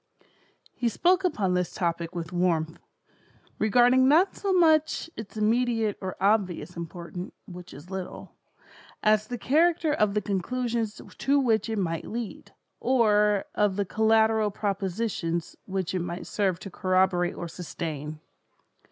He spoke upon this topic with warmth: regarding not so much its immediate or obvious importance (which is little), as the character of the conclusions to which it might lead, or of the collateral propositions which it might serve to corroborate or sustain.